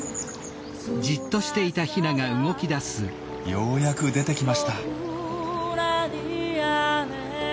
ようやく出てきました。